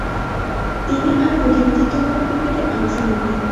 তিনি আর প্রতিনিধিত্বমূলক ক্রিকেটে অংশ নেননি।